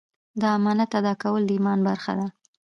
د امانت ادا کول د ایمان برخه ده.